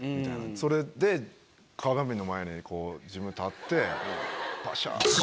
それで鏡の前にこう自分で立ってパシャって。